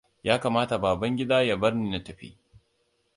Ya kamata Babangida ya barni na tafi.